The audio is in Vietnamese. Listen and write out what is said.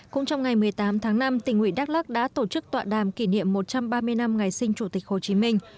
cũng trong ngày một mươi tám tháng năm tỉnh nguyễn đắk lắc đã tổ chức tọa đàm kỷ niệm một trăm ba mươi năm ngày sinh chủ tịch hồ chí minh